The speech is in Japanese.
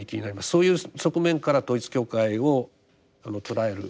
そういう側面から統一教会を捉える。